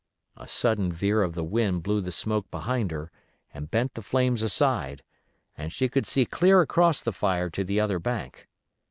A sudden veer of the wind blew the smoke behind her and bent the flames aside, and she could see clear across the fire to the other bank.